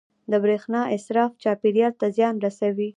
• د برېښنا اسراف چاپېریال ته زیان رسوي.